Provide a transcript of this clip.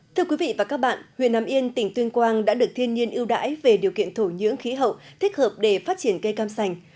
thưa quý vị và các bạn huyện nam yên tỉnh tuyên quang đã được thiên nhiên ưu đãi về điều kiện thổ nhưỡng khí hậu thích hợp để phát triển cây cam sành